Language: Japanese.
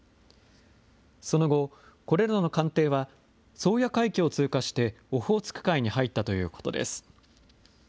その後、これらの艦艇は、宗谷海峡を通過してオホーツク海に入ったということです。